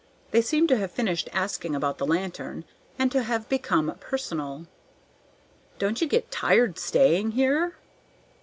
They seemed to have finished asking about the lantern, and to have become personal. "Don't you get tired staying here?"